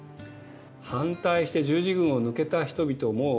反対して十字軍を抜けた人々もいました。